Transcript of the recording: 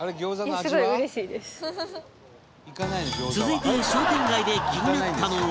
続いて商店街で気になったのは？